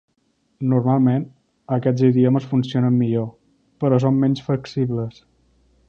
Normalment, aquests idiomes funcionen millor, però són menys flexibles.